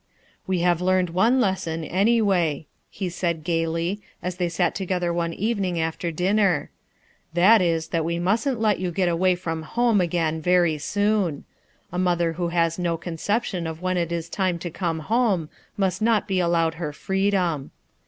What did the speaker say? "Wo have learned one lesson, anyway," he said gayly, as they sat together one evening after dinner. "That is that we mustn't let you get away from home again very soon. A mother who has no conception of when it is time to come home must not be allowed her freedom.